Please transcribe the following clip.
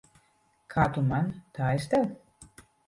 Kā tu man, tā es tev.